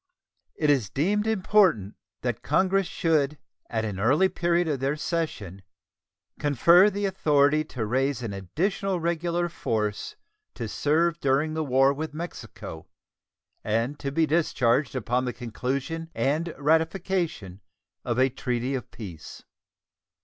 It is deemed important that Congress should at an early period of their session confer the authority to raise an additional regular force to serve during the war with Mexico and to be discharged upon the conclusion and ratification of a treaty of peace.